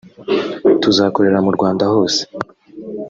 tuzakorera mu rwanda hose